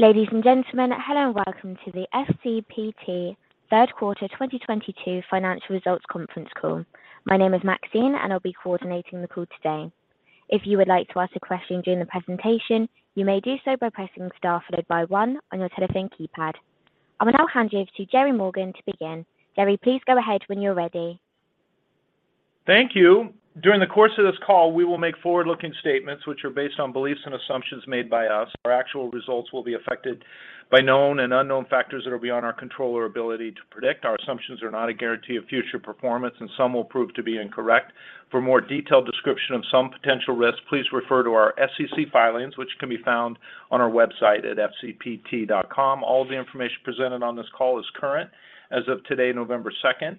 Ladies and gentlemen, hello and welcome to the FCPT Third Quarter 2022 Financial Results Conference call. My name is Maxine and I'll be coordinating the call today. If you would like to ask a question during the presentation, you may do so by pressing Star followed by one on your telephone keypad. I will now hand you over to Gerry Morgan to begin. Gerry, please go ahead when you're ready. Thank you. During the course of this call, we will make forward-looking statements, which are based on beliefs and assumptions made by us. Our actual results will be affected by known and unknown factors that are beyond our control or ability to predict. Our assumptions are not a guarantee of future performance, and some will prove to be incorrect. For more detailed description of some potential risks, please refer to our SEC filings, which can be found on our website at fcpt.com. All of the information presented on this call is current as of today, November 2nd.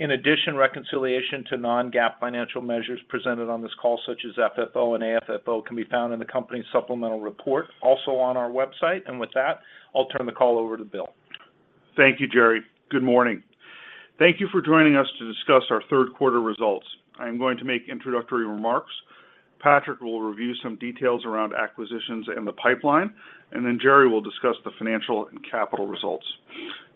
In addition, reconciliation to non-GAAP financial measures presented on this call, such as FFO and AFFO, can be found in the company's supplemental report, also on our website. With that, I'll turn the call over to Bill. Thank you, Gerry. Good morning. Thank you for joining us to discuss our third quarter results. I'm going to make introductory remarks. Patrick will review some details around acquisitions in the pipeline, and then Gerry will discuss the financial and capital results.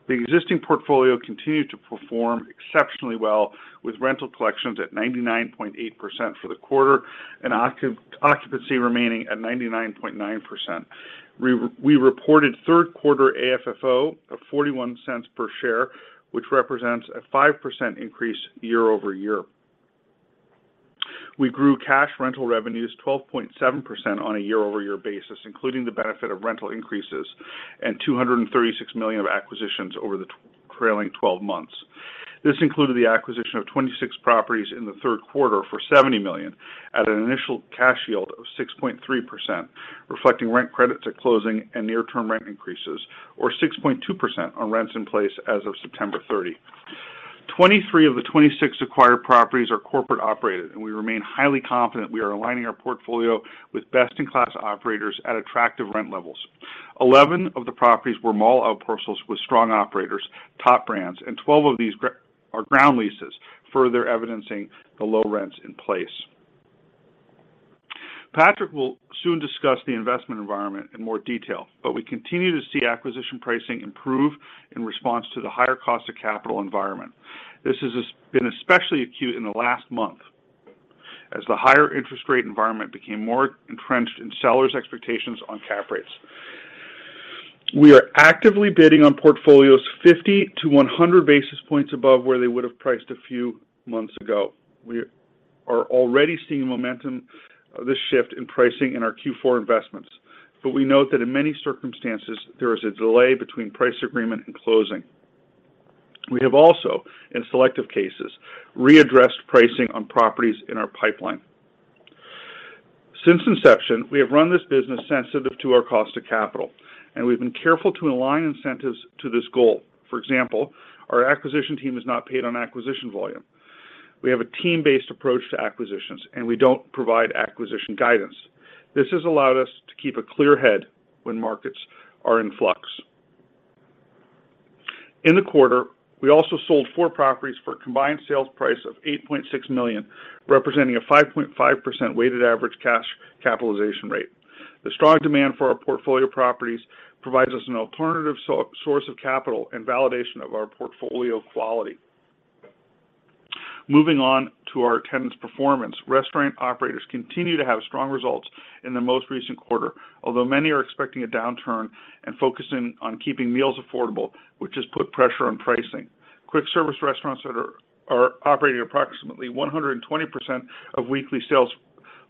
The existing portfolio continued to perform exceptionally well with rental collections at 99.8% for the quarter and occupancy remaining at 99.9%. We reported third quarter AFFO of $0.41 per share, which represents a 5% increase year-over-year. We grew cash rental revenues 12.7% on a year-over-year basis, including the benefit of rental increases and $236 million of acquisitions over the trailing twelve months. This included the acquisition of 26 properties in the third quarter for $70 million at an initial cash yield of 6.3%, reflecting rent credit to closing and near-term rent increases, or 6.2% on rents in place as of September 30. Twenty-three of the 26 acquired properties are corporate operated, and we remain highly confident we are aligning our portfolio with best-in-class operators at attractive rent levels. Eleven of the properties were mall outparcels with strong operators, top brands, and 12 of these are ground leases, further evidencing the low rents in place. Patrick will soon discuss the investment environment in more detail, but we continue to see acquisition pricing improve in response to the higher cost of capital environment. This has been especially acute in the last month as the higher interest rate environment became more entrenched in sellers' expectations on cap rates. We are actively bidding on portfolios 50-100 basis points above where they would have priced a few months ago. We are already seeing momentum of the shift in pricing in our Q4 investments, but we note that in many circumstances there is a delay between price agreement and closing. We have also, in selective cases, readdressed pricing on properties in our pipeline. Since inception, we have run this business sensitive to our cost of capital, and we've been careful to align incentives to this goal. For example, our acquisition team is not paid on acquisition volume. We have a team-based approach to acquisitions, and we don't provide acquisition guidance. This has allowed us to keep a clear head when markets are in flux. In the quarter, we also sold four properties for a combined sales price of $8.6 million, representing a 5.5% weighted average cash capitalization rate. The strong demand for our portfolio properties provides us an alternative source of capital and validation of our portfolio quality. Moving on to our tenant performance. Restaurant operators continue to have strong results in the most recent quarter, although many are expecting a downturn and focusing on keeping meals affordable, which has put pressure on pricing. Quick service restaurants that are operating approximately 120% of weekly sales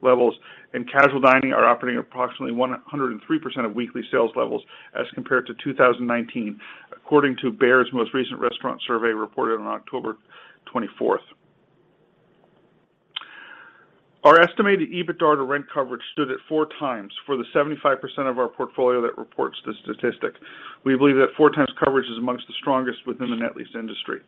levels and casual dining are operating approximately 103% of weekly sales levels as compared to 2019, according to Baird's most recent restaurant survey reported on October 24th. Our estimated EBITDA to rent coverage stood at 4x for the 75% of our portfolio that reports this statistic. We believe that 4x coverage is among the strongest within the net lease industry.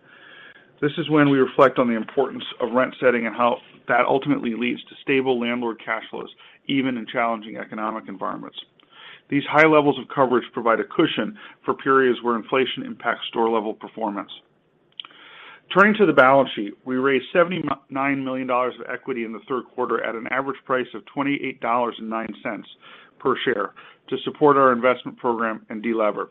This is when we reflect on the importance of rent setting and how that ultimately leads to stable landlord cash flows even in challenging economic environments. These high levels of coverage provide a cushion for periods where inflation impacts store-level performance. Turning to the balance sheet, we raised $79 million of equity in the third quarter at an average price of $28.09 per share to support our investment program and deleverage.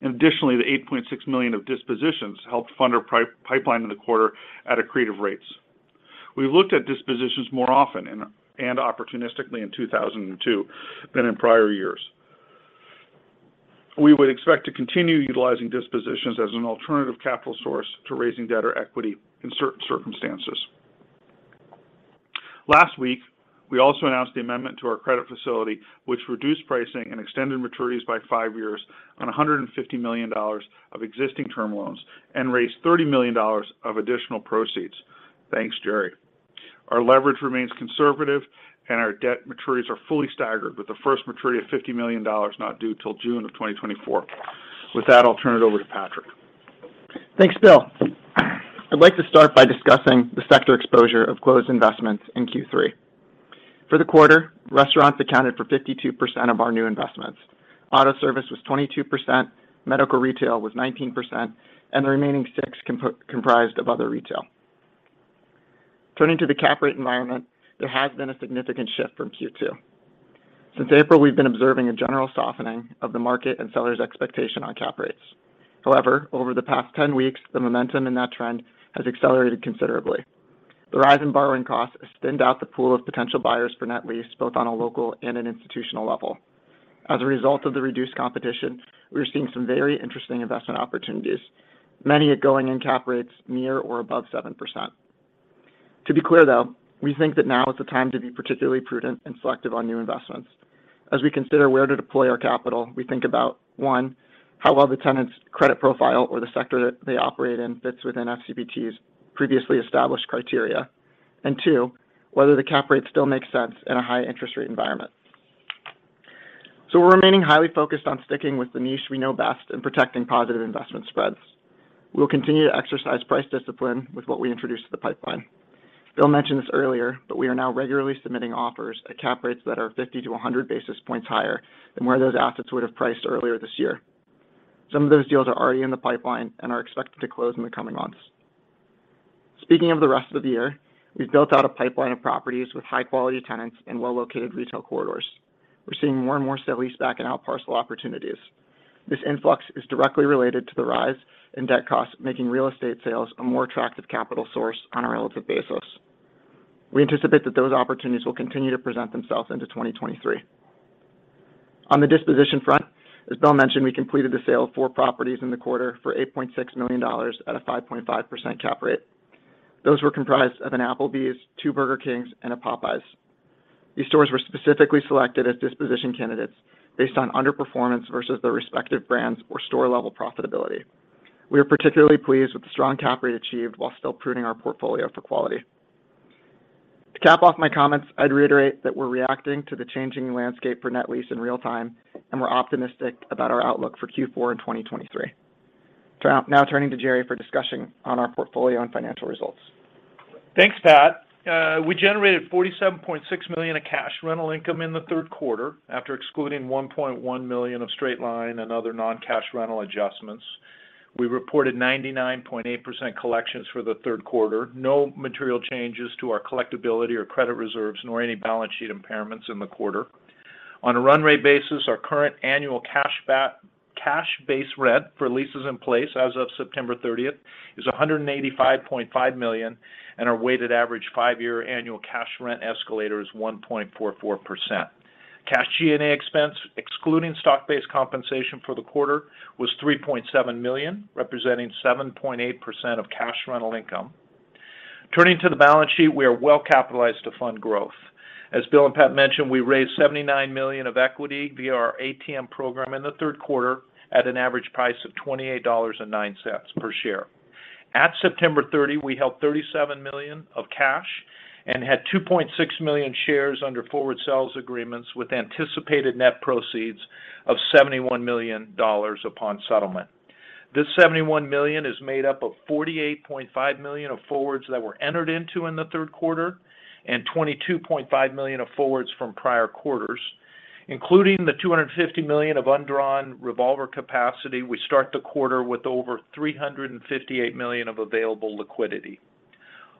Additionally, the $8.6 million of dispositions helped fund our pipeline in the quarter at accretive rates. We've looked at dispositions more often and opportunistically in 2022 than in prior years. We would expect to continue utilizing dispositions as an alternative capital source to raising debt or equity in certain circumstances. Last week, we also announced the amendment to our credit facility, which reduced pricing and extended maturities by five years on $150 million of existing term loans and raised $30 million of additional proceeds. Thanks, Gerry. Our leverage remains conservative, and our debt maturities are fully staggered, with the first maturity of $50 million not due till June 2024. With that, I'll turn it over to Patrick. Thanks, Bill. I'd like to start by discussing the sector exposure of closed investments in Q3. For the quarter, restaurants accounted for 52% of our new investments. Auto service was 22%, medical retail was 19%, and the remaining 6% comprised of other retail. Turning to the cap rate environment, there has been a significant shift from Q2. Since April, we've been observing a general softening of the market and sellers' expectation on cap rates. However, over the past 10 weeks, the momentum in that trend has accelerated considerably. The rise in borrowing costs has thinned out the pool of potential buyers for net lease, both on a local and an institutional level. As a result of the reduced competition, we are seeing some very interesting investment opportunities, many at going-in cap rates near or above 7%. To be clear, though, we think that now is the time to be particularly prudent and selective on new investments. As we consider where to deploy our capital, we think about, one, how well the tenant's credit profile or the sector that they operate in fits within FCPT's previously established criteria, and two, whether the cap rate still makes sense in a high interest rate environment. We're remaining highly focused on sticking with the niche we know best and protecting positive investment spreads. We'll continue to exercise price discipline with what we introduce to the pipeline. Bill mentioned this earlier, but we are now regularly submitting offers at cap rates that are 50-100 basis points higher than where those assets would have priced earlier this year. Some of those deals are already in the pipeline and are expected to close in the coming months. Speaking of the rest of the year, we've built out a pipeline of properties with high-quality tenants in well-located retail corridors. We're seeing more and more sale-leaseback and outparcel opportunities. This influx is directly related to the rise in debt costs, making real estate sales a more attractive capital source on a relative basis. We anticipate that those opportunities will continue to present themselves into 2023. On the disposition front, as Bill mentioned, we completed the sale of 4 properties in the quarter for $8.6 million at a 5.5% cap rate. Those were comprised of an Applebee's, two Burger Kings, and a Popeyes. These stores were specifically selected as disposition candidates based on underperformance versus their respective brands or store-level profitability. We are particularly pleased with the strong cap rate achieved while still pruning our portfolio for quality. To cap off my comments, I'd reiterate that we're reacting to the changing landscape for net lease in real time, and we're optimistic about our outlook for Q4 in 2023. Now turning to Gerry for discussion on our portfolio and financial results. Thanks, Pat. We generated $47.6 million of cash rental income in the third quarter after excluding $1.1 million of straight-line and other non-cash rental adjustments. We reported 99.8% collections for the third quarter. No material changes to our collectibility or credit reserves, nor any balance sheet impairments in the quarter. On a run rate basis, our current annual cash base rent for leases in place as of September thirtieth is $185.5 million, and our weighted average five-year annual cash rent escalator is 1.44%. Cash G&A expense, excluding stock-based compensation for the quarter, was $3.7 million, representing 7.8% of cash rental income. Turning to the balance sheet, we are well capitalized to fund growth. As Bill and Pat mentioned, we raised $79 million of equity via our ATM program in the third quarter at an average price of $28.09 per share. At September 30, we held $37 million of cash and had 2.6 million shares under forward sales agreements with anticipated net proceeds of $71 million upon settlement. This $71 million is made up of $48.5 million of forwards that were entered into in the third quarter and $22.5 million of forwards from prior quarters. Including the $250 million of undrawn revolver capacity, we start the quarter with over $358 million of available liquidity.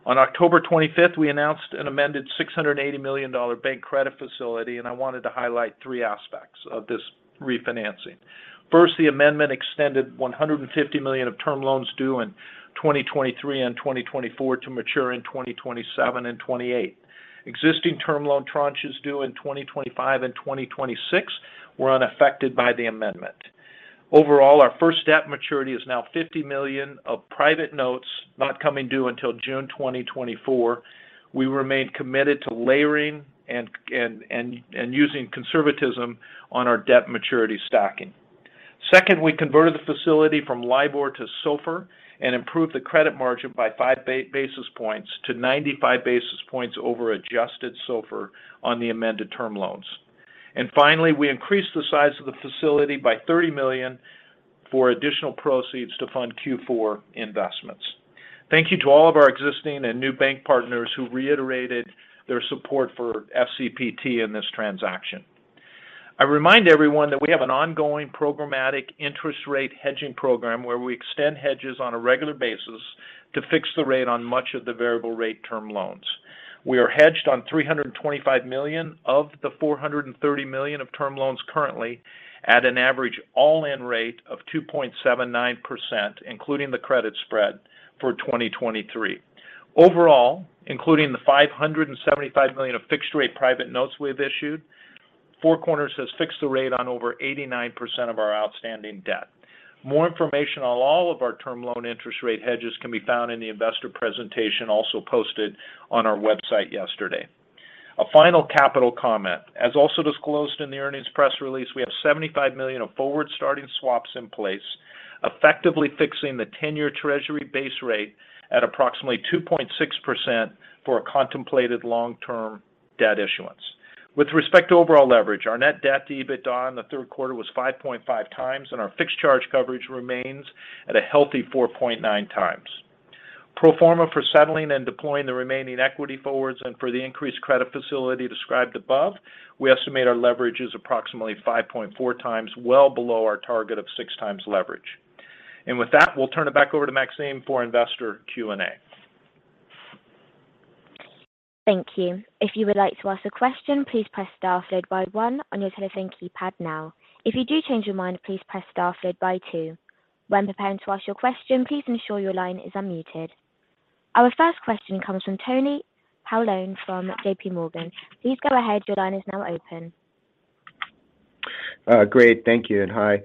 On October 25, we announced an amended $680 million bank credit facility, and I wanted to highlight three aspects of this refinancing. First, the amendment extended $150 million of term loans due in 2023 and 2024 to mature in 2027 and 2028. Existing term loan tranches due in 2025 and 2026 were unaffected by the amendment. Overall, our first debt maturity is now $50 million of private notes not coming due until June 2024. We remain committed to layering and using conservatism on our debt maturity stacking. Second, we converted the facility from LIBOR to SOFR and improved the credit margin by 5 basis points to 95 basis points over adjusted SOFR on the amended term loans. Finally, we increased the size of the facility by $30 million for additional proceeds to fund Q4 investments. Thank you to all of our existing and new bank partners who reiterated their support for FCPT in this transaction. I remind everyone that we have an ongoing programmatic interest rate hedging program where we extend hedges on a regular basis to fix the rate on much of the variable rate term loans. We are hedged on $325 million of the $430 million of term loans currently at an average all-in rate of 2.79%, including the credit spread for 2023. Overall, including the $575 million of fixed rate private notes we've issued, Four Corners has fixed the rate on over 89% of our outstanding debt. More information on all of our term loan interest rate hedges can be found in the investor presentation also posted on our website yesterday. A final capital comment. As also disclosed in the earnings press release, we have $75 million of forward starting swaps in place, effectively fixing the 10-year treasury base rate at approximately 2.6% for a contemplated long-term debt issuance. With respect to overall leverage, our net debt to EBITDA in the third quarter was 5.5 times, and our fixed charge coverage remains at a healthy 4.9 times. Pro forma for settling and deploying the remaining equity forwards and for the increased credit facility described above, we estimate our leverage is approximately 5.4 times, well below our target of 6 times leverage. With that, we'll turn it back over to Maxine for investor Q&A. Thank you. If you would like to ask a question, please press star followed by one on your telephone keypad now. If you do change your mind, please press star followed by two. When preparing to ask your question, please ensure your line is unmuted. Our first question comes from Tony Paolone from JPMorgan. Please go ahead. Your line is now open. Great. Thank you, and hi.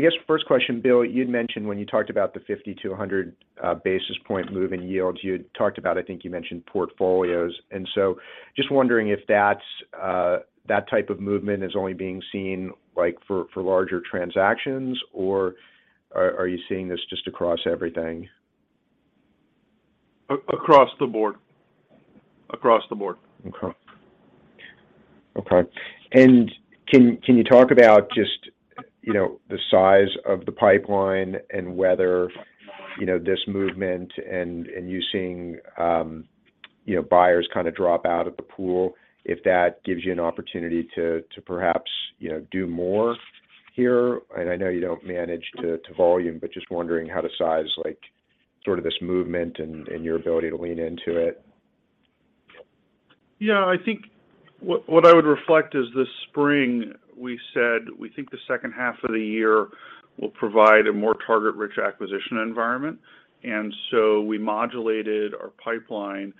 I guess first question, Bill, you'd mentioned when you talked about the 50-100 basis point move in yields, you had talked about, I think you mentioned portfolios, and so just wondering if that's that type of movement is only being seen like for larger transactions, or are you seeing this just across everything? Across the board. Okay. Can you talk about just, you know, the size of the pipeline and whether, you know, this movement and you seeing, you know, buyers kind of drop out of the pool, if that gives you an opportunity to perhaps, you know, do more here? I know you don't manage to volume, but just wondering how to size like sort of this movement and your ability to lean into it. Yeah, I think what I would reflect is this spring we said we think the second half of the year will provide a more target-rich acquisition environment. We modulated our pipeline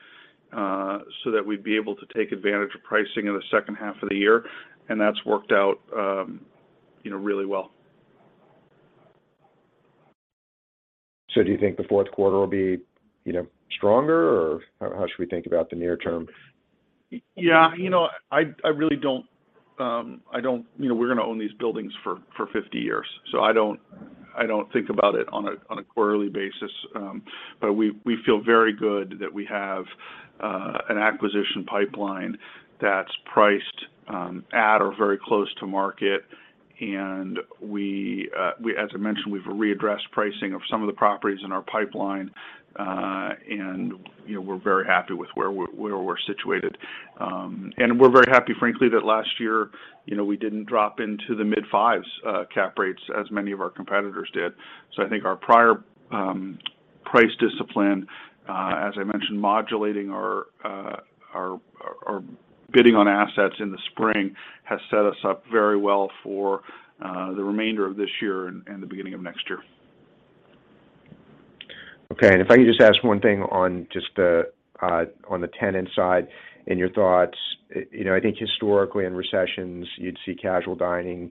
so that we'd be able to take advantage of pricing in the second half of the year, and that's worked out, you know, really well. Do you think the fourth quarter will be, you know, stronger, or how should we think about the near term? Yeah. You know, we're gonna own these buildings for 50 years, so I don't think about it on a quarterly basis. We feel very good that we have an acquisition pipeline that's priced at or very close to market. As I mentioned, we've readdressed pricing of some of the properties in our pipeline, and you know, we're very happy with where we're situated. We're very happy, frankly, that last year, you know, we didn't drop into the mid-fives cap rates as many of our competitors did. I think our prior price discipline, as I mentioned, modulating our bidding on assets in the spring has set us up very well for the remainder of this year and the beginning of next year. Okay. If I could just ask one thing on just the tenant side and your thoughts. You know, I think historically in recessions you'd see casual dining,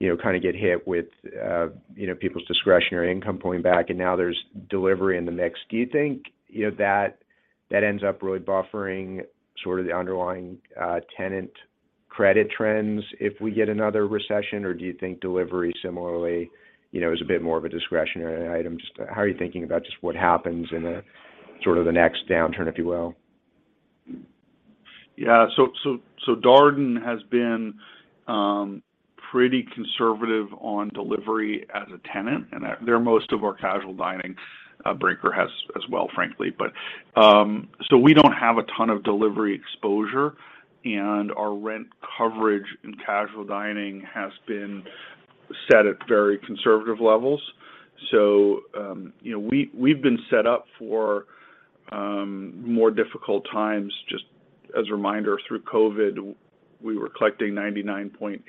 you know, kind of get hit with, you know, people's discretionary income pulling back, and now there's delivery in the mix. Do you think, you know, that ends up really buffering sort of the underlying tenant credit trends if we get another recession, or do you think delivery similarly, you know, is a bit more of a discretionary item? Just how are you thinking about just what happens in the, sort of the next downturn, if you will? Yeah. Darden has been pretty conservative on delivery as a tenant, and they're most of our casual dining. Brinker has as well, frankly. We don't have a ton of delivery exposure, and our rent coverage in casual dining has been set at very conservative levels. You know, we've been set up for more difficult times. Just as a reminder, through COVID, we were collecting 99.8%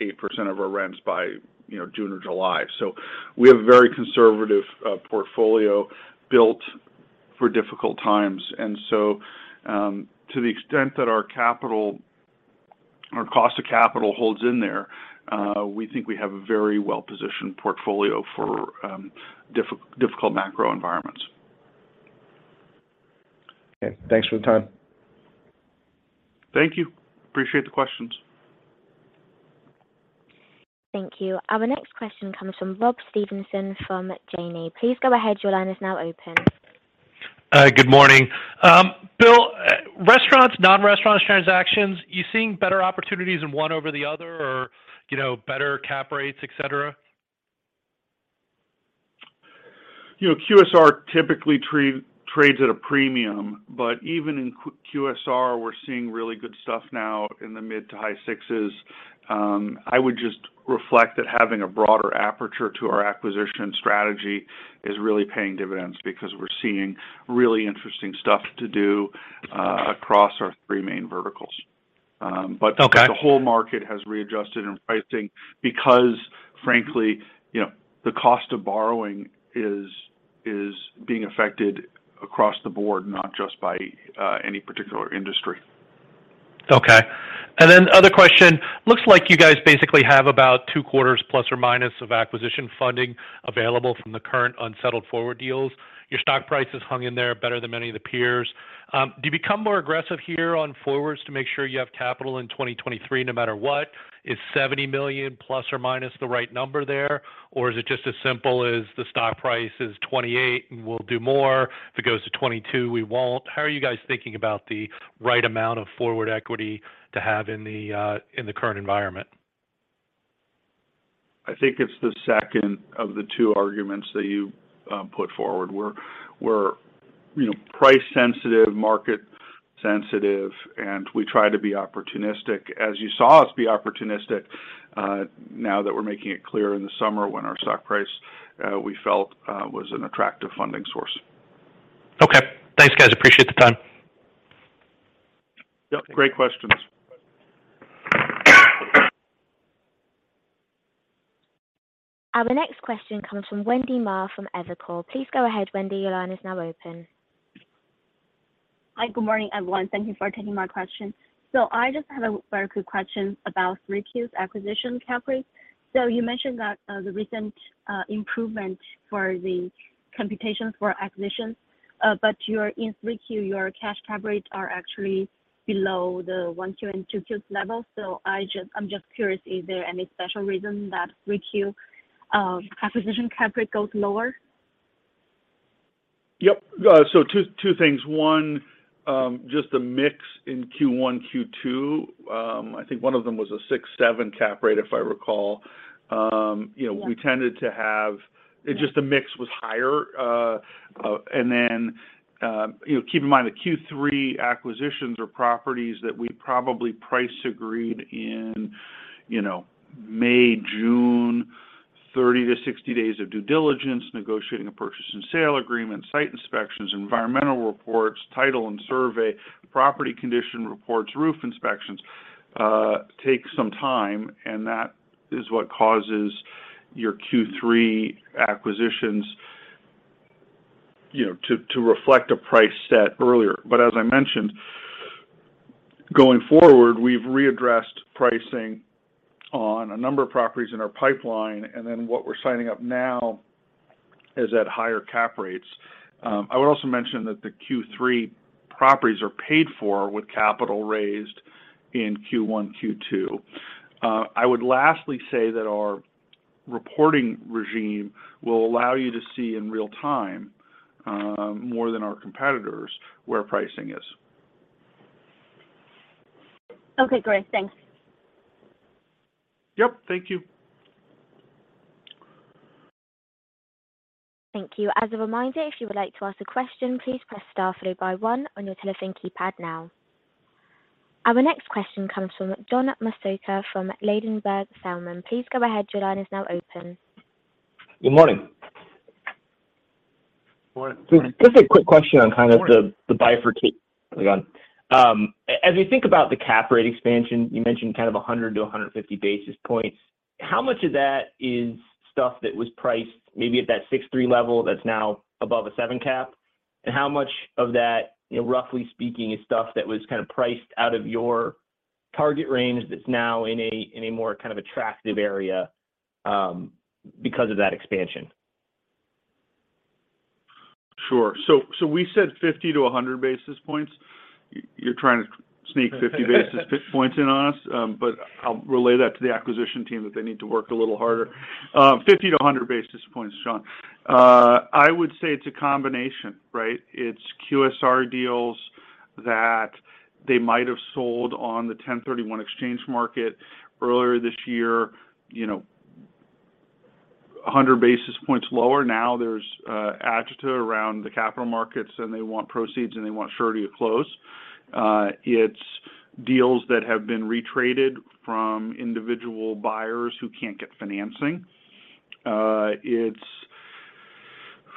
of our rents by, you know, June or July. We have a very conservative portfolio built for difficult times. To the extent that our capital or cost of capital holds in there, we think we have a very well-positioned portfolio for difficult macro environments. Okay. Thanks for the time. Thank you. Appreciate the questions. Thank you. Our next question comes from Robert Stevenson from Janney. Please go ahead. Your line is now open. Good morning. Bill, restaurants, non-restaurant transactions, are you seeing better opportunities in one over the other or, you know, better cap rates, etc.? You know, QSR typically trades at a premium, but even in QSR, we're seeing really good stuff now in the mid- to high sixes. I would just reflect that having a broader aperture to our acquisition strategy is really paying dividends because we're seeing really interesting stuff to do across our three main verticals. Okay the whole market has readjusted in pricing because, frankly, you know, the cost of borrowing is being affected across the board, not just by any particular industry. Okay. Other question, looks like you guys basically have about two quarters ± of acquisition funding available from the current unsettled forward deals. Your stock price has hung in there better than many of the peers. Do you become more aggressive here on forwards to make sure you have capital in 2023 no matter what? Is $70 million ± the right number there, or is it just as simple as the stock price is $28 and we'll do more, if it goes to $22, we won't? How are you guys thinking about the right amount of forward equity to have in the current environment? I think it's the second of the two arguments that you put forward. We're, you know, price sensitive, market sensitive, and we try to be opportunistic, as you saw us be opportunistic, now that we're making it clear in the summer when our stock price, we felt, was an attractive funding source. Okay. Thanks, guys. Appreciate the time. Yep, great questions. Our next question comes from Wendy Ma from Evercore. Please go ahead, Wendy. Your line is now open. Hi. Good morning, everyone. Thank you for taking my question. I just have a very quick question about 3Q's acquisition cap rate. You mentioned that the recent improvement in the competition for acquisitions, but your 3Q cash cap rates are actually below the Q1, Q2 and 3Q's level. I'm just curious, is there any special reason that 3Q acquisition cap rate goes lower? Yep. Two things. One, just a mix in Q1, Q2. I think one of them was a six to seven cap rate, if I recall. You know- Yeah. -we tended to have just the mix was higher, and then, you know, keep in mind the Q3 acquisitions or properties that we probably price agreed in, you know, May, June, 30 to 60 days of due diligence, negotiating a purchase and sale agreement, site inspections, environmental reports, title and survey, property condition reports, roof inspections takes some time, and that is what causes your Q3 acquisitions, you know, to reflect a price set earlier. As I mentioned, going forward, we've readdressed pricing on a number of properties in our pipeline, and then what we're signing up now is at higher cap rates. I would also mention that the Q3 properties are paid for with capital raised in Q1, Q2. I would lastly say that our reporting regime will allow you to see in real time, more than our competitors, where pricing is. Okay, great. Thanks. Yep, thank you. Thank you. As a reminder, if you would like to ask a question, please press star, then one on your telephone keypad now. Our next question comes from John Massocca from Ladenburg Thalmann. Please go ahead. Your line is now open. Good morning. Morning, John. Just a quick question on kind of as we think about the cap rate expansion, you mentioned kind of 100-150 basis points. How much of that is stuff that was priced maybe at that 6.3 level that's now above a seven cap? And how much of that, you know, roughly speaking is stuff that was kinda priced out of your target range that's now in a more kind of attractive area because of that expansion? Sure. We said 50-100 basis points. You're trying to sneak 50 basis points in on us, but I'll relay that to the acquisition team that they need to work a little harder. 50-100 basis points, John. I would say it's a combination, right? It's QSR deals that they might have sold on the 1031 exchange market earlier this year, you know, 100 basis points lower. Now there's agita around the capital markets, and they want proceeds and they want surety to close. It's deals that have been retraded from individual buyers who can't get financing. It's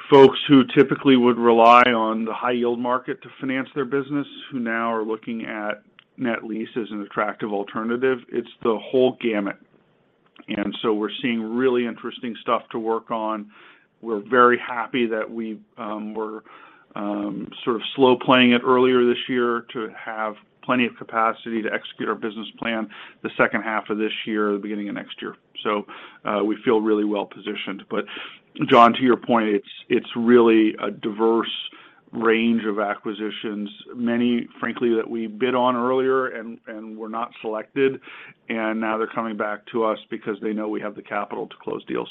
folks who typically would rely on the high yield market to finance their business, who now are looking at net lease as an attractive alternative. It's the whole gamut. We're seeing really interesting stuff to work on. We're very happy that we were sort of slow playing it earlier this year to have plenty of capacity to execute our business plan the second half of this year, the beginning of next year. We feel really well-positioned. John, to your point, it's really a diverse range of acquisitions. Many, frankly, that we bid on earlier and were not selected, and now they're coming back to us because they know we have the capital to close deals.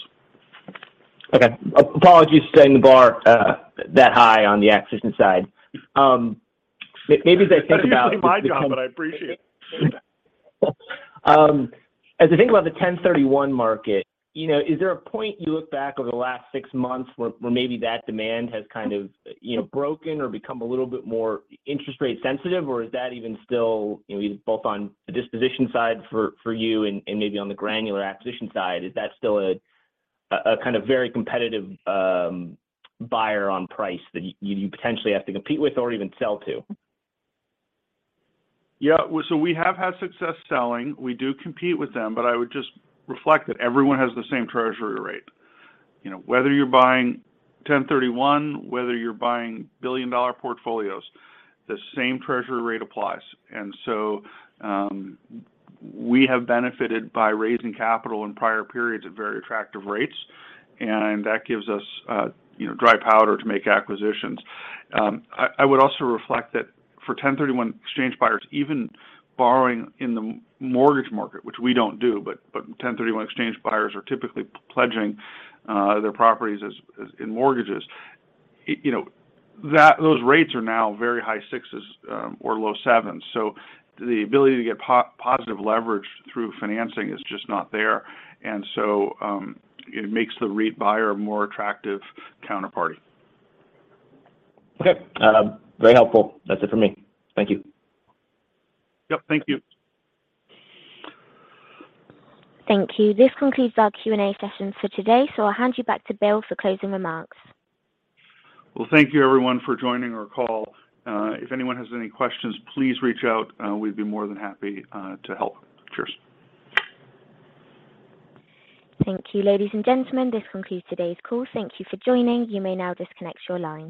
Okay. Apologies for setting the bar that high on the acquisition side. That's usually my job, but I appreciate it. As I think about the 1031 market, you know, is there a point you look back over the last six months where maybe that demand has kind of, you know, broken or become a little bit more interest rate sensitive, or is that even still, you know, both on the disposition side for you and maybe on the granular acquisition side, is that still a kind of very competitive buyer on price that you potentially have to compete with or even sell to? Yeah. We have had success selling. We do compete with them, but I would just reflect that everyone has the same Treasury rate. You know, whether you're buying 1031, whether you're buying billion-dollar portfolios, the same Treasury rate applies. We have benefited by raising capital in prior periods at very attractive rates, and that gives us, you know, dry powder to make acquisitions. I would also reflect that for 1031 exchange buyers, even borrowing in the mortgage market, which we don't do, but 1031 exchange buyers are typically pledging their properties as in mortgages. You know, that those rates are now very high sixes or low sevens. The ability to get positive leverage through financing is just not there. It makes the REIT buyer a more attractive counterparty. Okay. Very helpful. That's it for me. Thank you. Yep, thank you. Thank you. This concludes our Q&A session for today, so I'll hand you back to Bill for closing remarks. Well, thank you everyone for joining our call. If anyone has any questions, please reach out. We'd be more than happy to help. Cheers. Thank you, ladies and gentlemen. This concludes today's call. Thank you for joining. You may now disconnect your line.